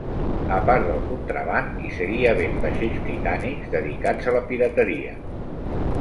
A part del contraban, hi seguia havent vaixells britànics dedicats a la pirateria.